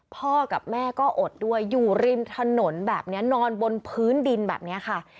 พ่อกับแม่ก็อดด้วยอยู่ริมถนนแบบนี้นอนบนพื้นดินแบบนี้ค่ะ